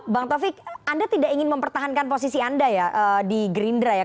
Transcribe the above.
bang taufik anda tidak ingin mempertahankan posisi anda ya di gerindra ya